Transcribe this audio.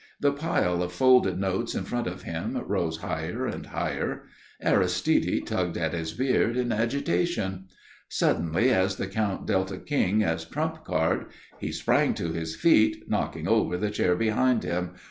The pile of folded notes in front of him rose higher and higher. Aristide tugged at his beard in agitation. Suddenly, as the Count dealt a king as trump card, he sprang to his feet knocking over the chair behind him.